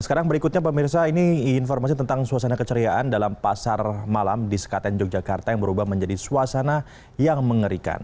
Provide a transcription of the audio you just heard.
sekarang berikutnya pemirsa ini informasi tentang suasana keceriaan dalam pasar malam di sekaten yogyakarta yang berubah menjadi suasana yang mengerikan